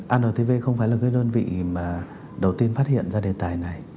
antv không phải là cái đơn vị mà đầu tiên phát hiện ra đề tài này